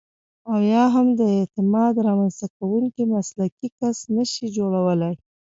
او یا هم د اعتماد رامنځته کوونکی مسلکي کس نشئ جوړولای.